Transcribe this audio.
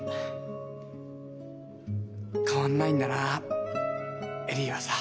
変わんないんだな恵里はさ。